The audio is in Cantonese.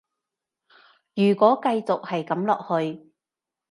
如果繼續係噉落去